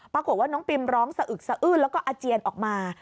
ปรากฏว่าน้องปิมร้องสะอึกสะอื้นแล้วก็อาเจียนออกมา